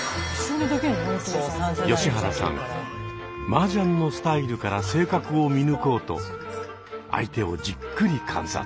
マージャンのスタイルから性格を見抜こうと相手をじっくり観察。